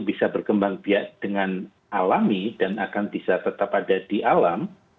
bisa berkembang biak dengan alami dan akan bisa tetap ada di alam